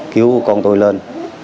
cứu con tôi lên